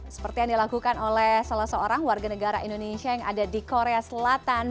seperti yang dilakukan oleh salah seorang warga negara indonesia yang ada di korea selatan